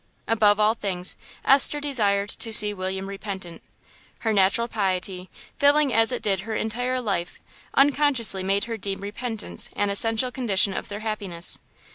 Above all things, Esther desired to see William repentant. Her natural piety, filling as it did her entire life, unconsciously made her deem repentance an essential condition of their happiness.